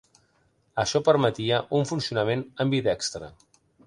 Això permetia un funcionament ambidextre.